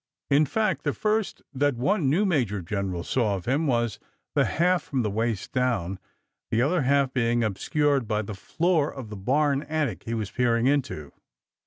In fact, the first that one new major general saw of him was the half from the waist down, the other half being obscured by the floor of the barn attic he was peering into.